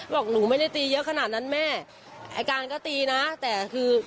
บอกหนูไม่ได้ตีเยอะขนาดนั้นแม่ไอ้การก็ตีนะแต่คือ